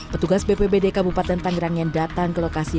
petugas bpbd kabupaten tangerang yang datang ke lokasi